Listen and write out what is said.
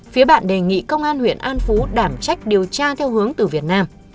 phía bạn đề nghị công an huyện an phú đảm trách điều tra theo hướng từ việt nam